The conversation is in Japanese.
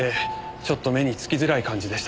ちょっと目につきづらい感じでした。